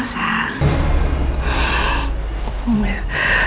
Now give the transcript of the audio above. ternyata kamu masih ingat saya